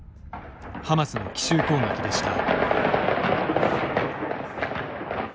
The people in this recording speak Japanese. ハマスの奇襲攻撃でした。